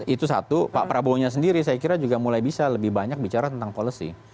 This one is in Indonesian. itu satu pak prabowo nya sendiri saya kira juga mulai bisa lebih banyak bicara tentang policy